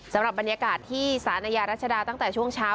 สำหรับบรรยากาศที่สารอาญารัชดาตั้งแต่ช่วงเช้า